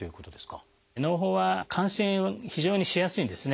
のう胞は感染非常にしやすいんですね。